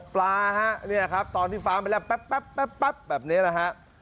ปลาฮะนี่แหละครับตอนไปแล้วแป๊บแป๊บแป๊บแบบเนี่ยแหละฮะ